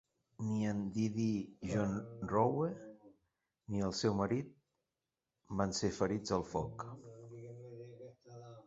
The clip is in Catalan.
Ni en DeeDee Jonrowe ni el seu marit van ser ferits al foc.